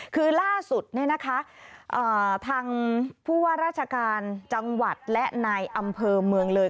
คือล่าสุดทางผู้ว่าราชการจังหวัดและนายอำเภอเมืองเลย